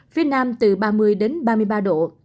phía nam từ ba mươi ba mươi ba độ